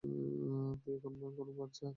তুই এখনো বাচ্চা।